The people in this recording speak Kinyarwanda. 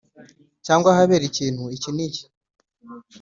cyangwa ahabera ikintu iki n’iki.